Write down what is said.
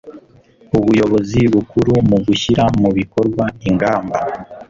ubuyobozi bukuru mu gushyira mu bikorwa ingamba